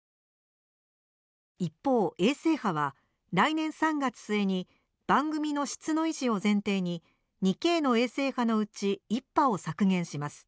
一方、衛星波は来年３月末に番組の質の維持を前提に２Ｋの衛星波のうち１波を削減します。